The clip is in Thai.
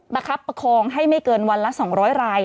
คับประคองให้ไม่เกินวันละ๒๐๐ราย